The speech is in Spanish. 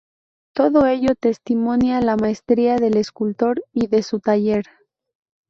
Todo ello testimonia la maestría del escultor y de su taller.